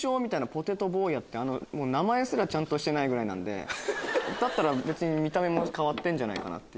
ポテト坊やって名前すらちゃんとしてないぐらいなんでだったら見た目も変わってんじゃないかなって。